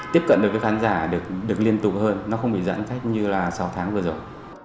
tiếp cận được với khán giả được liên tục hơn nó không bị giãn cách như là sáu tháng vừa rồi